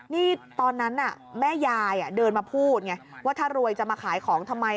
นี่ตอนนั้นแม่ยายเดินมาพูดไงว่าถ้ารวยจะมาขายของทำไม